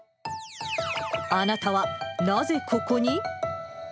あなたはなぜここに？